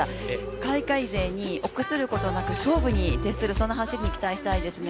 海外勢に臆することなく勝負に徹するそんな走りに期待したいですね。